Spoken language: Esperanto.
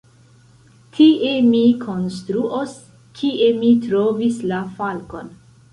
Tie mi konstruos, kie mi trovis la falkon.